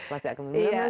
pasti akan mengundang